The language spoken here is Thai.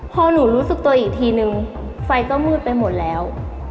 พอหนูรู้สึกตัวอีกทีนึงไฟก็มืดไปหมดแล้ว